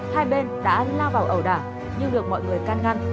hai bên đã lao vào ẩu đả nhưng được mọi người can ngăn